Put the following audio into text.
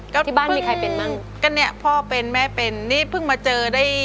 ก็ที่บ้านมีใครเป็นมั่งก็เนี่ยพ่อเป็นแม่เป็นนี่เพิ่งมาเจอได้